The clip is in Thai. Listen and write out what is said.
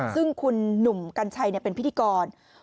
ซึ่งคุณหนุ่มกัญชัยเป็นพิธีกร